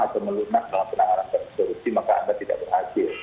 atau melunak dalam penanganan kasus korupsi maka anda tidak berhasil